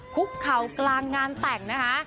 คุกเข่ากลางงานแต่งนะคะ